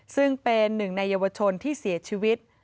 ซึ่งเป็นหนึ่งในเยาวชนที่เสียชีวิต